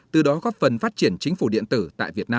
từ đó góp phần phát triển chính phủ điện tử tại việt nam